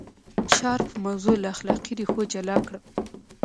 شارپ موضوع له اخلاقي ریښو جلا کړه.